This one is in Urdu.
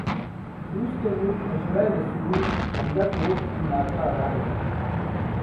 روس کے ملک اشعراء رسول ہمزہ توف کی مارکہ آرا نظم